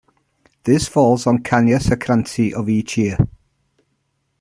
This falls on Kanya Sankranti of each year.